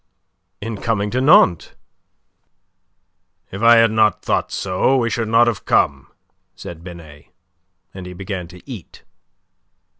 "In coming to Nantes?" "If I had not thought so, we should not have come," said Binet, and he began to eat.